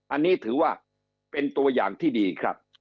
อันนี้ถือว่าเป็นตัวอย่างที่ดีครับ